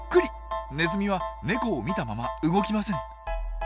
ネズミはネコを見たまま動きません。